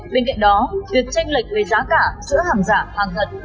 bên cạnh đó việc tranh lệch về giá cả giữa hàng giả hàng thật